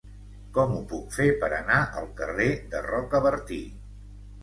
Com ho puc fer per anar al carrer de Rocabertí?